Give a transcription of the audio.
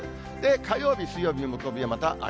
火曜日、水曜日、木曜日はまた秋